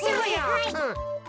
はい。